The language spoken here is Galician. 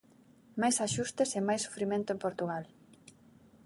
Máis axustes e máis sufrimento en Portugal.